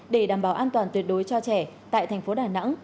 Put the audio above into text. để đảm bảo an toàn tuyệt đối cho trẻ tại thành phố đà nẵng